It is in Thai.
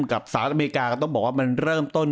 สหรัฐอเมริกาก็ต้องบอกว่ามันเริ่มต้น